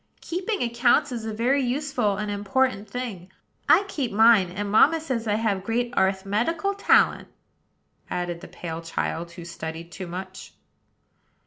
"Keeping accounts is a very useful and important thing. I keep mine; and mamma says I have great arth met i cal talent," added the pale child, who studied too much.